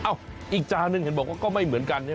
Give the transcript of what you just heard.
อีกจานหนึ่งเห็นบอกว่าก็ไม่เหมือนกัน